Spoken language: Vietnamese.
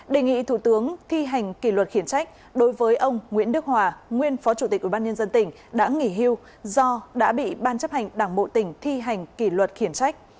đề nghị thủ tướng thi hành kỷ luật khiển trách đối với ông nguyễn đức hòa nguyên phó chủ tịch ubnd tỉnh đã nghỉ hưu do đã bị ban chấp hành đảng bộ tỉnh thi hành kỷ luật khiển trách